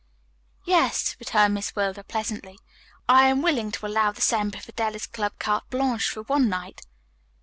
"Yes," returned Miss Wilder pleasantly. "I am willing to allow the Semper Fidelis Club carte blanche for one night.